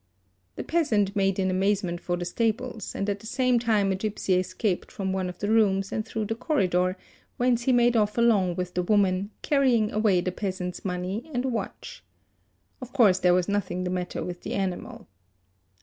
The peasant made in amazement fot the | stables and at the same time a gipsy escaped from one of the rooms and through the corridor, whence he made off along with the woman, carrying away the peasant's money and watch. Of course there was nothing the matter with the animal.